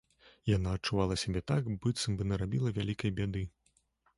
Яна адчувала сябе так, быццам бы нарабіла вялікай бяды.